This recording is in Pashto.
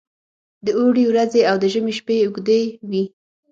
د اوړي ورځې او د ژمي شپې اوږې وي.